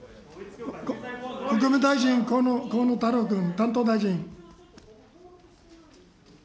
国務大臣、河野太郎君、担当大臣。